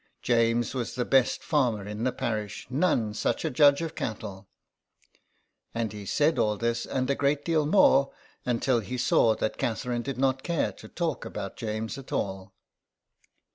James was the best farmer in the parish, none such a judge of cattle ; and he said all this and a great deal more, until he saw that Catherine did not care to talk about James at all.